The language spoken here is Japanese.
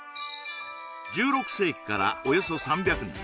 １６世紀からおよそ３００年